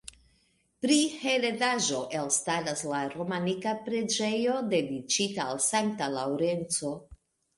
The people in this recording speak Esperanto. Pri heredaĵo, elstaras la romanika preĝejo, dediĉita al Sankta Laŭrenco.